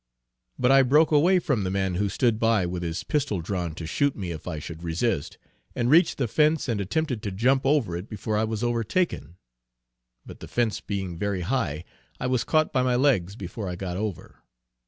But I broke away from the man who stood by with his pistol drawn to shoot me if I should resist, and reached the fence and attempted to jump over it before I was overtaken; but the fence being very high I was caught by my legs before I got over.